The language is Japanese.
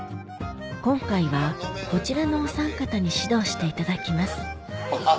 今回はこちらのお三方に指導していただきますあっ